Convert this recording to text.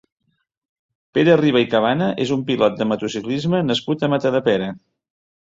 Pere Riba i Cabana és un pilot de motociclisme nascut a Matadepera.